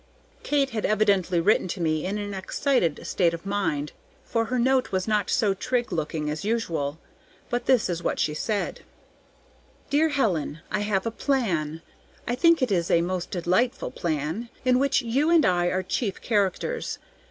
Kate had evidently written to me in an excited state of mind, for her note was not so trig looking as usual; but this is what she said: Dear Helen, I have a plan I think it a most delightful plan in which you and I are chief characters.